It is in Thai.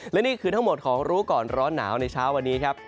และนี่คือทั้งหมดของรู้ก่อนร้อนหนาวในเช้าวันนี้ครับ